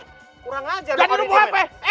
kurang aja lo jadi lo mau apa